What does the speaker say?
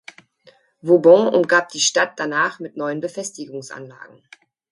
Vauban umgab die Stadt danach mit neuen Befestigungsanlagen.